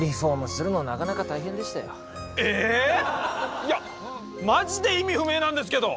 いやマジで意味不明なんですけど！